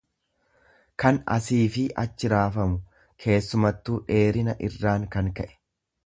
kan asiifi achi raafamu, keessumattuu dheerina irraan kan ka'e.